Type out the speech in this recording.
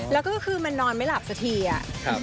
แล้วก็คือมันนอนไม่หลับสักทีอะ